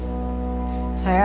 itu yang ada masalah